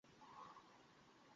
কিন্তু আমার চিন্তা হচ্ছিলো না।